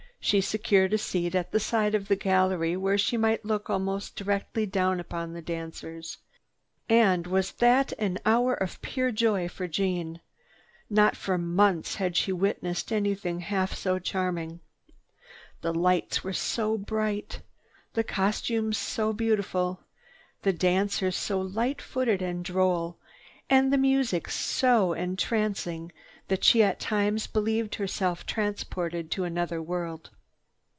She secured a seat at the side of the gallery where she might look almost directly down upon the dancers. And was that an hour of pure joy for Jeanne! Not for months had she witnessed anything half so charming. The lights were so bright, the costumes so beautiful, the dancers so light footed and droll, and the music so entrancing that she at times believed herself transported to another world.